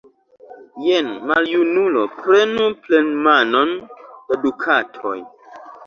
Jen, maljunulo, prenu plenmanon da dukatoj!